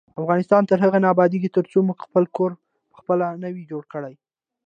افغانستان تر هغو نه ابادیږي، ترڅو موږ خپل کور پخپله نه وي جوړ کړی.